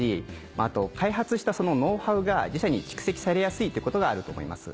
あと開発したノウハウが自社に蓄積されやすいっていうことがあると思います。